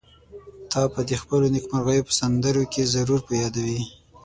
تا به د خپلو نېکمرغيو په سندرو کې ضرور يادوي.